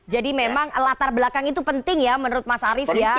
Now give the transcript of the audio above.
jadi memang latar belakang itu penting ya menurut mas arief ya